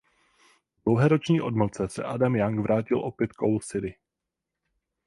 Po dlouhé roční odmlce se Adam Young vrátil opět k Owl City.